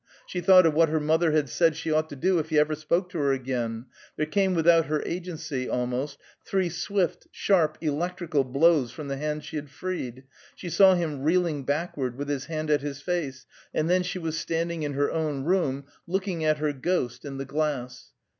She thought of what her mother had said she ought to do if he ever spoke to her again; there came without her agency, almost, three swift, sharp, electrical blows from the hand she had freed; she saw him reeling backward with his hand at his face, and then she was standing in her own room, looking at her ghost in the glass.